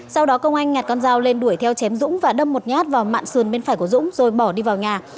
sau đó công anh nhặt con dao lên đuổi theo chém dũng và đâm một nhát vào mạng sườn bên phải của dũng rồi bỏ đi vào nhà